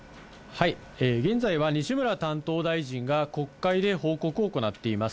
現在は西村担当大臣が国会で報告を行っています。